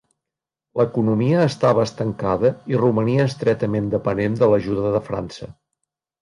L'economia estava estancada i romania estretament depenent de l'ajuda de França.